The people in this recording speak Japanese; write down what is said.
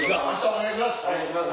お願いします